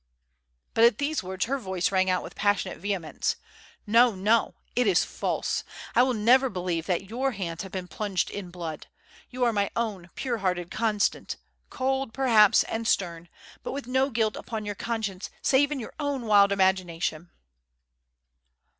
But at these words her voice rang out with passionate vehemence. "No, no, it is false! I will never believe that your hands have been plunged in blood. You are my own pure hearted Constant, cold, perhaps, and stern, but with no guilt upon your conscience save in your own wild imagination."